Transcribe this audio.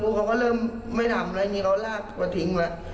บอกว่าเริ่มไม่ทำอะไรนี่เราลากกว่าทิ้งไว้